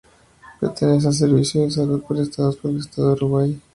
Pertenece al Servicio de Salud prestados por el Estado de Uruguay.